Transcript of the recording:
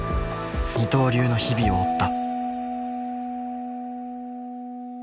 「二刀流」の日々を追った。